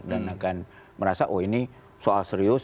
dan akan merasa oh ini soal serius